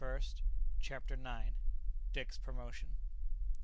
] CHAPTER IX. DICK'S PROMOTION.